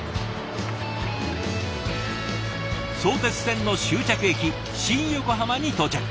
相鉄線の終着駅新横浜に到着。